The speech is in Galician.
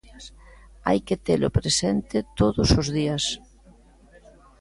Hai que telo presente todos os días.